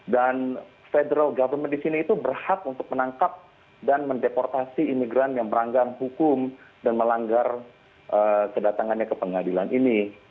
dan federal government di sini itu berhak untuk menangkap dan mendeportasi imigran yang meranggang hukum dan melanggar kedatangannya ke pengadilan ini